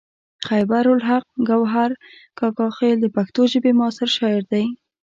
خیبر الحق ګوهر کاکا خیل د پښتو ژبې معاصر شاعر دی.